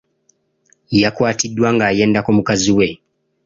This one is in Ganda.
Yakwatiddwa ng'ayenda ku mukazi we.